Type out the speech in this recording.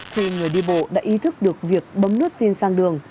khi người đi bộ đã ý thức được việc bấm nước xin sang đường